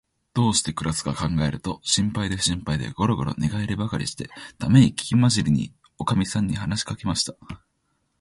どうしてくらすかかんがえると、心配で心配で、ごろごろ寝がえりばかりして、ためいきまじりに、おかみさんに話しかけました。